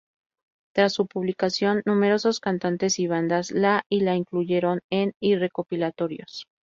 Tras su publicación, numerosos cantantes y bandas la y la incluyeron en y recopilatorios.